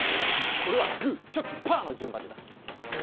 俺はグーチョキパーの順番で出すあ